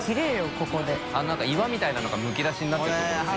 ここで風間）なんか岩みたいなのがむき出しになってるとこですね。